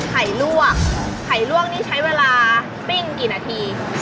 ไข่ลวกไข่ลวกนี่ใช้เวลาปิ้งกี่นาที